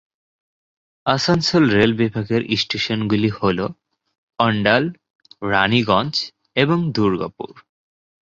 Asansol rail বিভাগের স্টেশনগুলি হল অণ্ডাল, রাণীগঞ্জ এবং দুর্গাপুর।